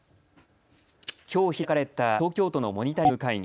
きょう開かれた東京都のモニタリング会議。